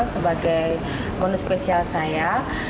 sebagai menu spesial saya